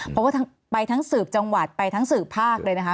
เพราะว่าไปทั้งสืบจังหวัดไปทั้งสืบภาคเลยนะคะ